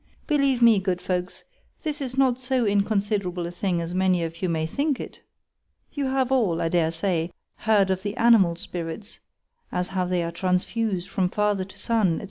—Believe me, good folks, this is not so inconsiderable a thing as many of you may think it;—you have all, I dare say, heard of the animal spirits, as how they are transfused from father to son, &c.